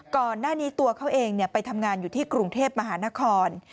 ก่อนหน้านี้ตัวเขาเองไปทำงานอยู่ที่กรุงเทพมหานคร